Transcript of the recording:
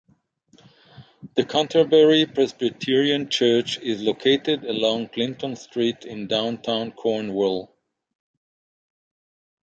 The "Canterbury Presbyterian Church" is located along Clinton Street in downtown Cornwall.